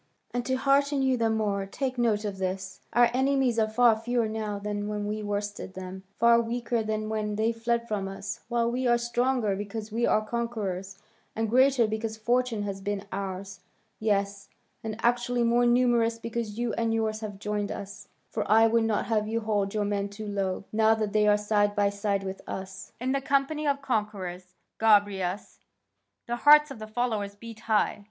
And to hearten you the more, take note of this: our enemies are far fewer now than when we worsted them, far weaker than when they fled from us, while we are stronger because we are conquerors, and greater because fortune has been ours; yes, and actually more numerous because you and yours have joined us, for I would not have you hold your men too low, now that they are side by side with us. In the company of conquerors, Gobryas, the hearts of the followers beat high.